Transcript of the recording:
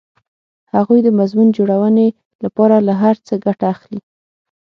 هغوی د مضمون جوړونې لپاره له هر څه ګټه اخلي